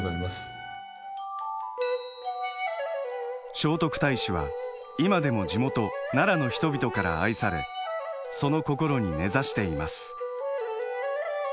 聖徳太子は今でも地元奈良の人々から愛されその心に根ざしています。